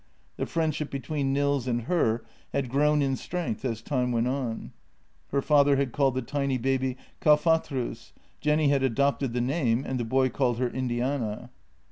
The friendship between Nils and her had grown in strength as time went on. His father had called the tiny baby Kalfatrus; Jenny had adopted the name, and the boy called her Indiana.